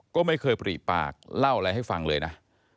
ก็ไม่เคยปริปากเล่าอะไรให้ฟังเลยนะ